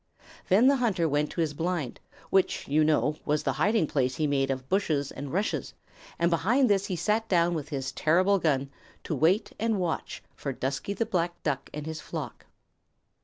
Then the hunter went to his blind which, you know, was the hiding place he had made of bushes and rushes, and behind this he sat down with his terrible gun to wait and watch for Dusky the Black Duck and his flock.